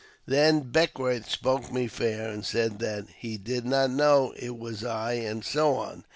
" Then Beckwourth spoke me fair, and said that he did not know it was I, and so on.